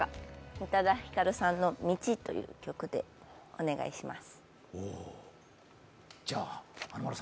宇多田ヒカルさんの「道」という曲でお願いします。